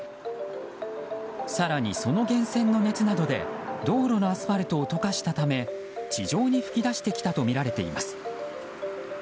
更に、その源泉の熱などで道路のアスファルトを溶かしたため地上に噴き出してきたとみられています。